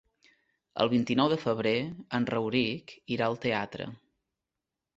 El vint-i-nou de febrer en Rauric irà al teatre.